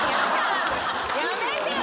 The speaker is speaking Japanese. やめてよ！